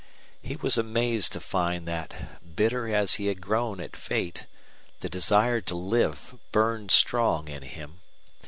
He was amazed to find that, bitter as he had grown at fate, the desire to live burned strong in him.